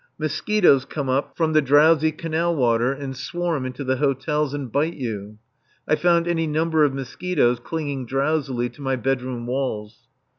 Mosquitoes come up from the drowsy canal water and swarm into the hotels and bite you. I found any number of mosquitoes clinging drowsily to my bedroom walls.